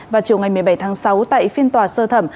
vào chiều ngày một mươi bảy tháng sáu tại phiên tòa sơ thẩm